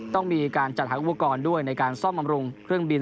ต้องมีการจัดหาอุปกรณ์ด้วยในการซ่อมบำรุงเครื่องบิน